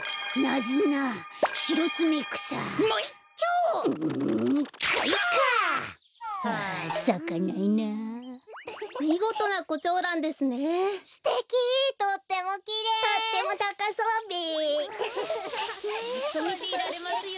ずっとみていられますよ。